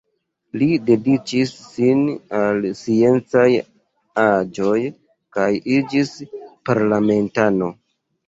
Li dediĉis sin al sciencaj aĵoj kaj iĝis parlamentano.